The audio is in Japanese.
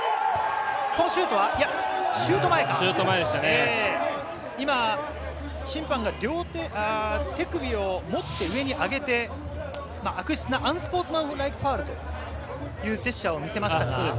このシュートはシュート前か、今、審判が手首を持って上に上げて、悪質なアンスポーツマンライクファウルというジェスチャーを見せました。